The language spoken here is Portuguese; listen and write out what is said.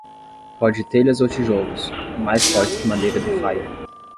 Pode telhas ou tijolos, mais fortes que madeira de faia.